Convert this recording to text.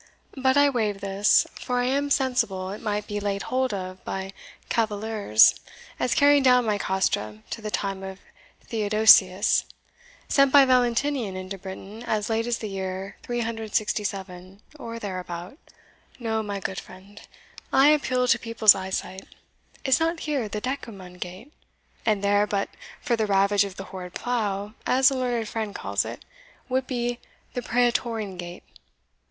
But I waive this, for I am sensible it might be laid hold of by cavillers as carrying down my Castra to the time of Theodosius, sent by Valentinian into Britain as late as the year 367, or thereabout. No, my good friend, I appeal to people's eye sight. Is not here the Decuman gate? and there, but for the ravage of the horrid plough, as a learned friend calls it, would be the Praetorian gate.